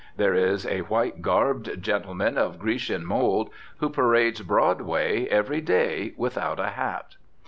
There is a white garbed gentleman of Grecian mould who parades Broadway every day without a hat.